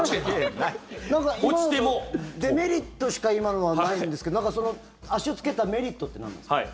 デメリットしか今のはないんですけどその、足をつけたメリットって何なんですか？